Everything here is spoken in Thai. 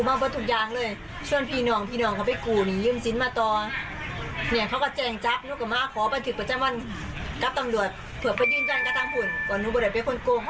กับตำรวจเผื่อไปยืนกันก็ตั้งผุ่นก่อนนู้นบริเวณเป็นคนโกงเขาโกงเหนือ